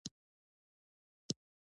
د خوندیتوب نشتون کارخانې بندوي.